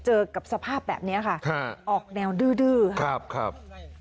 เจอกับสภาพแบบนี้ค่ะออกแนวดื้อดื้อครับครับ